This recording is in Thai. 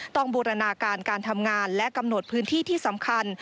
บูรณาการการทำงานและกำหนดพื้นที่ที่สำคัญ